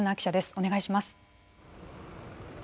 お願いします。